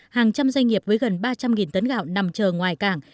hàng trăm doanh nghiệp với gần ba trăm linh tấn gạo nằm chờ ngoài cảng